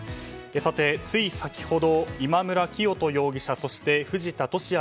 つい先ほど今村磨人容疑者そして藤田聖也